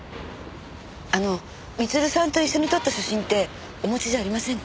あの光留さんと一緒に撮った写真ってお持ちじゃありませんか？